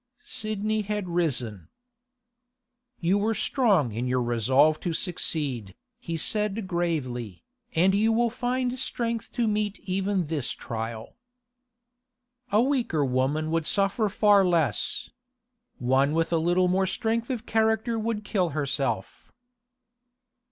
Sidney had risen. 'You were strong in your resolve to succeed,' he said gravely, 'and you will find strength to meet even this trial.' 'A weaker woman would suffer far less. One with a little more strength of character would kill herself.